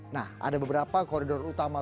nah ada beberapa koridor utama